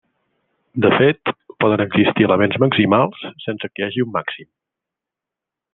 De fet, poden existir elements maximals sense que hi hagi un màxim.